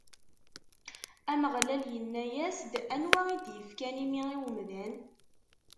Ameɣlal inna-as-d: Anwa i d-ifkan imi i wemdan?